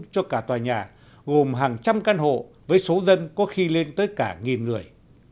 cho cả tòa nhà gồm hàng trăm căn hộ với số dân có khi lên tới cả nghìn người